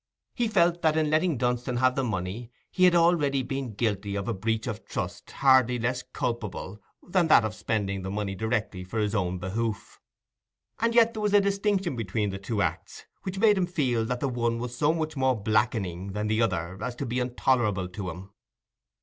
He felt that in letting Dunstan have the money, he had already been guilty of a breach of trust hardly less culpable than that of spending the money directly for his own behoof; and yet there was a distinction between the two acts which made him feel that the one was so much more blackening than the other as to be intolerable to him.